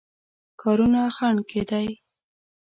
کارونو خنډ کېدی.